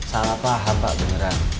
salah paham pak beneran